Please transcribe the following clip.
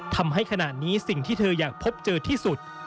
ทำให้ขณะนี้สิ่งที่เธออยากพบเจอที่สุด